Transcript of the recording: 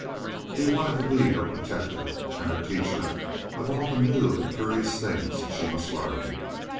He wanted to be her protector, and her teacher of all the new and curious things she must learn.